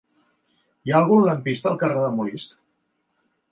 Hi ha algun lampista al carrer de Molist?